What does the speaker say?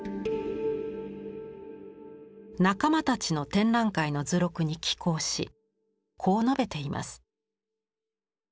仲間たちの展覧会の図録に寄稿しこう述べています。